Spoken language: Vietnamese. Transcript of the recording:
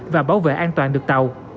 và bảo vệ an toàn được tàu